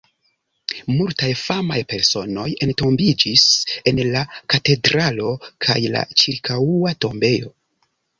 Multaj famaj personoj entombiĝis en la katedralo kaj la ĉirkaŭa tombejo.